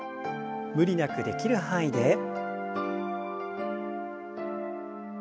無理なくできる範囲で。